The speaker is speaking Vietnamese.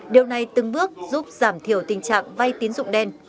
điều này từng bước giúp giảm thiểu tình trạng vay tín dụng đen